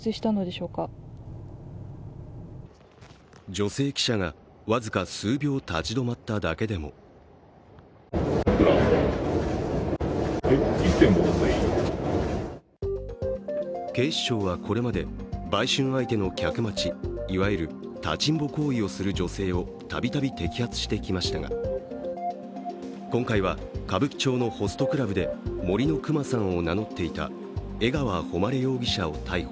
女性記者が僅か数秒立ち止まっただけでも警視庁はこれまで売春相手の客待ち、いわゆる立ちんぼ行為をする女性を度々摘発してきましたが、今回は歌舞伎町のホストクラブで森のくまさんを名乗っていた江川誉容疑者を逮捕。